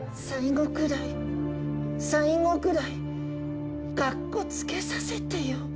最後くらい最後くらいかっこつけさせてよ。